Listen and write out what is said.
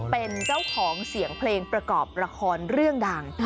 เป็นเจ้าของเสียงเพลงประกอบละครเรื่องดัง